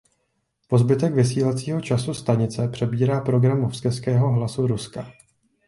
Po zbytek vysílacího času stanice přebírá program moskevského Hlasu Ruska.